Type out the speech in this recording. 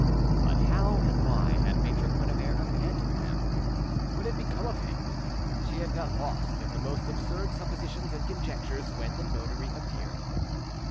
But how and why had Maitre Quennebert abandoned them? What had become of him? She had got lost in the most absurd suppositions and conjectures when the notary appeared.